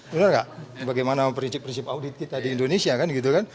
benar nggak bagaimana prinsip prinsip audit kita di indonesia kan gitu kan